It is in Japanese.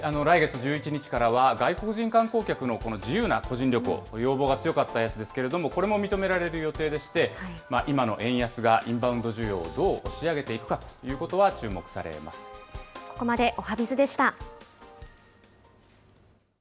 来月１１日からは、外国人観光客の自由な個人旅行、要望が強かったやつですけれども、これも認められる予定でして、今の円安がインバウンド需要をどう押し上げていくかということは注目されここまでおはＢｉｚでした。